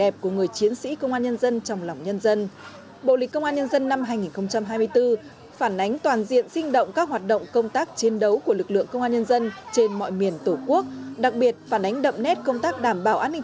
bộ lịch công an nhân dân năm hai nghìn hai mươi bốn